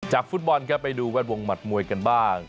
จากฟุตบอลไปดูแวดวงมัดมวยกันบ้าง